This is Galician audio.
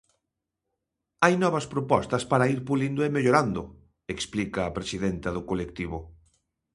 "Hai novas propostas para ir pulindo e mellorando", explica a presidenta do colectivo.